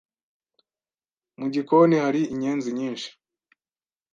Mu gikoni hari inyenzi nyinshi.